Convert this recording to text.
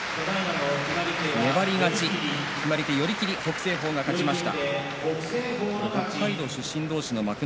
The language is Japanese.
粘り勝ち決まり手は寄り切り北青鵬の勝ちです。